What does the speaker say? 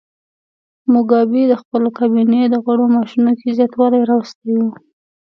موګابي د خپل او کابینې د غړو معاشونو کې زیاتوالی راوستی و.